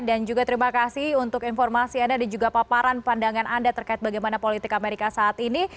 dan juga terima kasih untuk informasi anda dan juga paparan pandangan anda terkait bagaimana politik amerika saat ini